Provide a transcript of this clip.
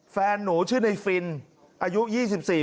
แฟนหนูชื่อในฟินอายุ๒๔ปี